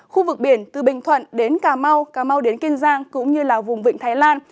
khu vực biển từ bình thuận đến cà mau cà mau đến kiên giang cũng như vùng vịnh thái lan